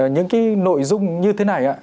những cái nội dung như thế này